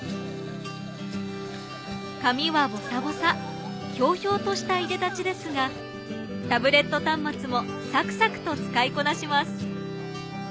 髪はボサボサひょうひょうとしたいでたちですがタブレット端末もサクサクと使いこなします。